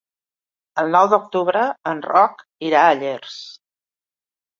El nou d'octubre en Roc irà a Llers.